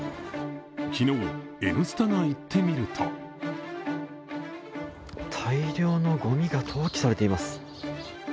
昨日、「Ｎスタ」が行ってみると大量のごみが投棄されています。